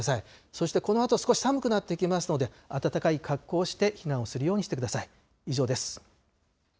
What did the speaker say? そしてこのあと少し寒くなってきますので、暖かい格好をして避難をするようにしてください。